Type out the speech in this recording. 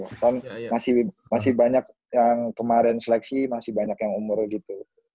bahkan masih banyak yang kemarin seleksi masih banyak yang umur gitu